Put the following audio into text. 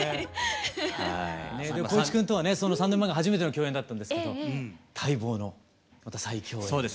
光一君とはねその３年前が初めての共演だったんですけど待望のまた再共演です。